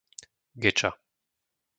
Geča